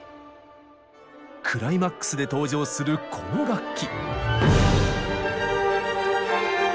クライマックスで登場するこの楽器。